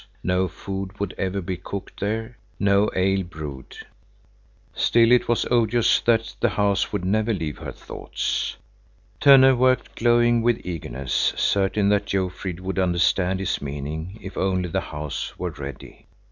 No food would ever be cooked there, no ale brewed. Still it was odious that the house would never leave her thoughts. Tönne worked, glowing with eagerness, certain that Jofrid would understand his meaning, if only the house were ready.